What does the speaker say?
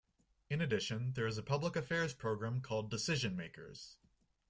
In addition, there is a public affairs program called "Decision Makers".